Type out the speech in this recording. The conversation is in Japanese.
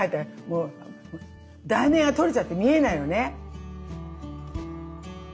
もう題名が取れちゃって見えないのね。